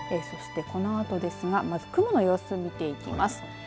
そして、このあとですがまず、雲の様子見ていきます。